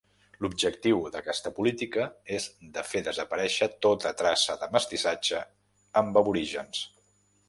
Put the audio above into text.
L'objectiu d'aquesta política és de fer desaparèixer tota traça de mestissatge amb aborígens.